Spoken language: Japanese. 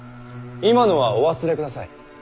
今のはお忘れください。